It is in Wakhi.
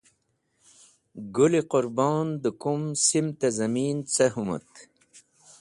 Gũl-e Qũrbon dẽ kum simt-e Zamin ce hũmũt.